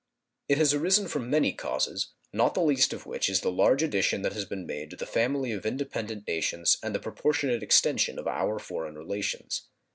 It has arisen from many causes, not the least of which is the large addition that has been made to the family of independent nations and the proportionate extension of our foreign relations.